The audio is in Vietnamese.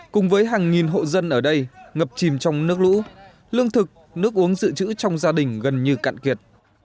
cùng với hàng nghìn hộ dân ở đây ngập chìm trong nước lũ lương thực nước uống dự trữ trong gia đình gần như cạn kiệt